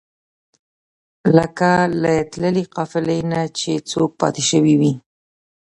لکه له تللې قافلې نه چې څوک پاتې شوی وي.